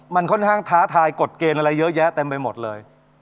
มันค่อนข้างท้าทายกฎเกณฑ์อะไรเยอะแยะเต็มไปหมดเลย